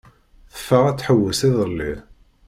Teffeɣ ad tḥewwes iḍelli.